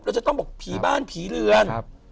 จะต้องบอกผีบ้านผีเรือน